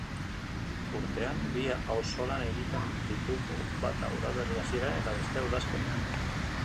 Urtean bi auzolan egiten ditugu, bata udaberri hasieran eta bestea udazkenean.